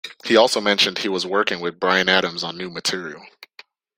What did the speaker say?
He also mentioned he was working with Bryan Adams on new material.